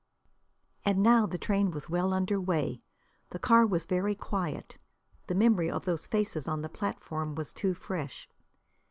And now the train was well under way. The car was very quiet. The memory of those faces on the platform was too fresh.